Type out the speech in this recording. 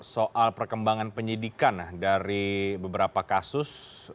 soal perkembangan penyidikan dari beberapa kasus